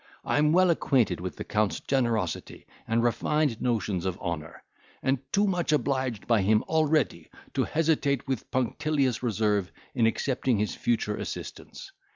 I am well acquainted with the Count's generosity and refined notions of honour; and too much obliged by him already, to hesitate with punctilious reserve in accepting his future assistance.